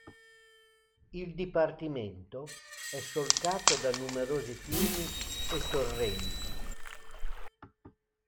Il dipartimento è solcato da numerosi fiumi e torrenti.